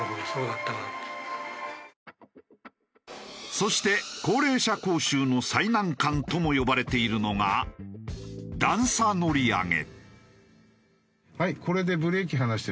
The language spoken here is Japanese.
そして高齢者講習の最難関とも呼ばれているのが段差乗り上げ。